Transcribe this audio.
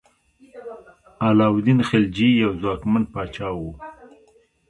علاء الدین خلجي یو ځواکمن پاچا و.